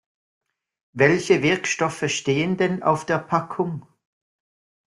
Welche Wirkstoffe stehen denn auf der Packung?